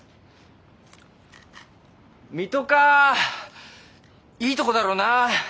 水戸かいいとこだろうな。